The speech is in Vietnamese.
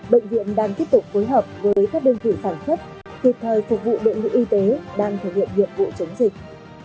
bệnh viện đang tiếp tục phối hợp với các đơn vị sản xuất thiệt thời phục vụ bệnh viện y tế đang thử nghiệm nhiệm vụ chống dịch